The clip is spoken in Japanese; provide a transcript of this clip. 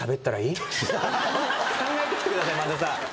考えてきてください萬田さん。